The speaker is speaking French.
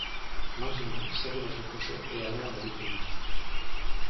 Maintenant, serrez votre pochette et allons à la découverte.